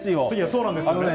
そうなんですよね。